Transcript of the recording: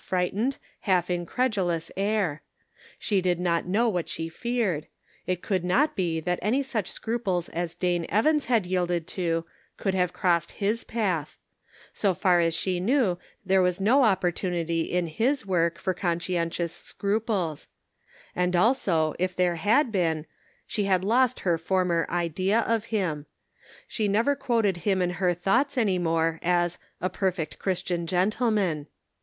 427 frightened, half incredulous air ; she did not know what she feared ; it could not be that any such scruples as Dane Evans had yielded to could have crossed his path; so far as she knew there was no opportunity in his work for conscientious scruples ; and also if there had been, she had lost her former idea of him ; she never quoted him in her thoughts any more as a "perfect Christian gentleman."